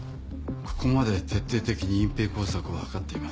ここまで徹底的に隠蔽工作を図っています。